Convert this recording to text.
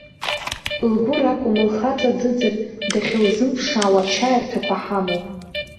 Лгәыр акәым, лхаҵа дыӡыр дахьылзымԥшаауа ачаирҭақәа ҳамоуп.